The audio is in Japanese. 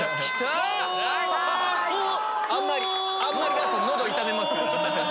あんまり出すと喉痛めます。